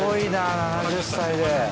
７０歳で。